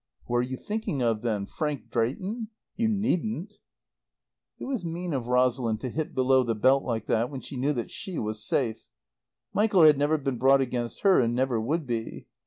"Who are you thinking of then? Frank Drayton? You needn't!" It was mean of Rosalind to hit below the belt like that, when she knew that she was safe. Michael had never been brought against her and never would be.